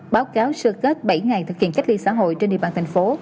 báo cáo sơ kết bảy ngày thực hiện cách ly xã hội trên địa bàn thành phố